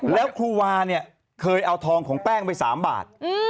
แล้วครูวาเนี่ยเคยเอาทองของแป้งไป๓บาท